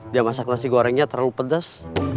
dia masak nasi gorengnya terlalu pedas